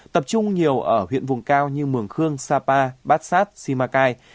tập trung nhiều ở huyện vùng cao như mường khương sapa bát sát simacai